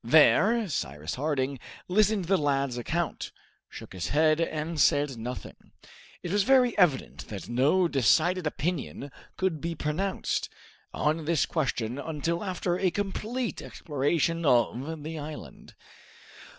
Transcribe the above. There Cyrus Harding listened to the lad's account, shook his head and said nothing. It was very evident that no decided opinion could be pronounced on this question until after a complete exploration of the island.